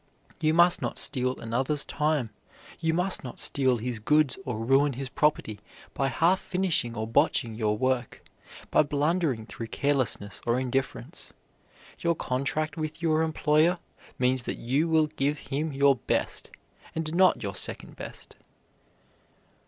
You must not steal another's time, you must not steal his goods or ruin his property by half finishing or botching your work, by blundering through carelessness or indifference. Your contract with your employer means that you will give him your best, and not your second best.